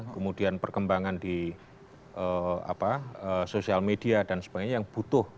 kemudian perkembangan di sosial media dan sebagainya yang butuh